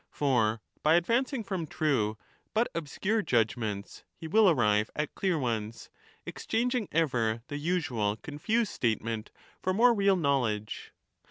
For by advancing from true but obscure judgements he will arrive at clear, ones, exchanging ever the usual confused statement for more real knowledge.